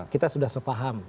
kita sudah sepaham